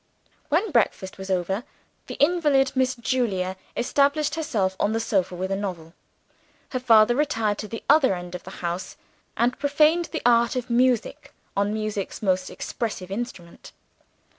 When breakfast was over, the invalid Miss Julia established herself on the sofa with a novel. Her father retired to the other end of the house, and profaned the art of music on music's most expressive instrument.